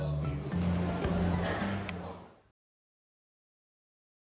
batin klrr kalau akan terkena sedikit berat sama banyantai juga akan berkesempatan menurun ke banyantai in